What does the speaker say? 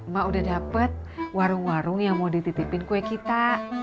mak udah dapet warung warung yang mau dititipin kue kita